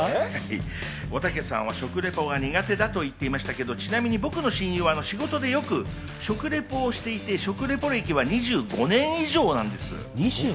おたけさんは食リポが苦手だと言っていましたけど、ちなみに僕の親友は仕事でよく食リポをしていて、食リポ歴は２５年以上なんです。